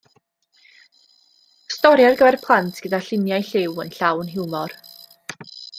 Stori ar gyfer plant gyda lluniau lliw yn llawn hiwmor.